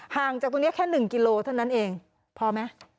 ห่างจากตรงนี้แค่๑กิโลเท่านั้นเองพอไหม